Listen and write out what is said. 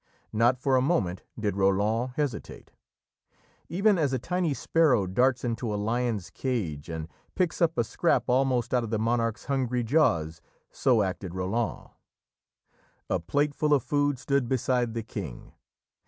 Not for a moment did Roland hesitate. Even as a tiny sparrow darts into a lion's cage and picks up a scrap almost out of the monarch's hungry jaws, so acted Roland. A plateful of food stood beside the King.